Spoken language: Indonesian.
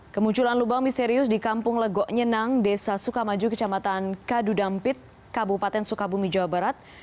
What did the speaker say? kemunculan lubang misterius di kampung legok nyenang desa sukamaju kecamatan kadudampit kabupaten sukabumi jawa barat